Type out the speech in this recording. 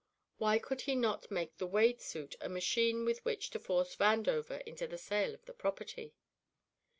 Why could he not make the Wade suit a machine with which to force Vandover into the sale of the property?